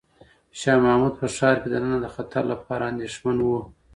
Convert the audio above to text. شاه محمود په ښار کې دننه د خطر لپاره اندېښمن و.